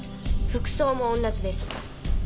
服装も同じです。